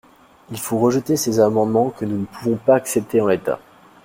Il faut rejeter ces amendements que nous ne pouvons pas accepter en l’état.